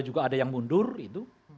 juga ada yang mundur itu